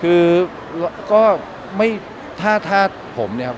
คือก็ไม่ถ้าผมเนี่ยครับ